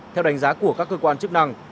theo đánh giá của các cơ quan chức năng